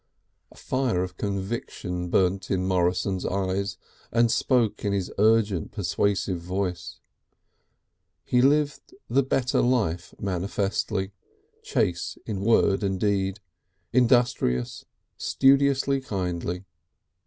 A fire of conviction burnt in Morrison's eyes and spoke in his urgent persuasive voice; he lived the better life manifestly, chaste in word and deed, industrious, studiously kindly.